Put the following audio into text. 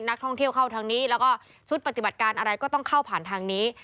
นักท่องเที่ยวเข้าทางนี้แล้วก็ชุดปฏิบัติการอะไรก็ต้องเข้าผ่านทางนี้